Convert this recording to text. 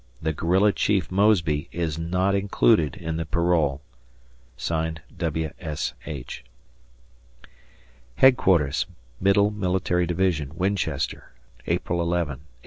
The Guerilla Chief Mosby is not included in the parole. W. S. H. Headquarters Middle Military Division, Winchester, April 11, 1865.